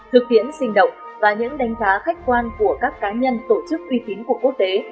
thực tiễn sinh động và những đánh giá khách quan của các cá nhân tổ chức uy tín của quốc tế